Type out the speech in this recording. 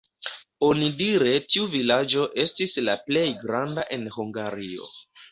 Onidire tiu vilaĝo estis la plej granda en Hungario.